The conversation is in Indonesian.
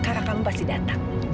kakak kamu pasti dateng